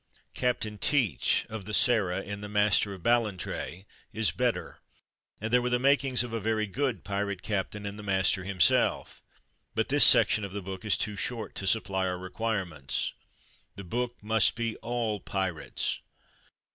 Captain Teach, of the Sarah, in the " Master of Ballantrae," is better, and there were the makings of a very good pirate captain 184 THE DAY BEFORE YESTERDAY in the master himself, but this section of the book is too short to supply our require ments. The book must be all pirates.